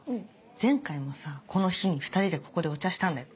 前回もさこの日に２人でここでお茶したんだよ。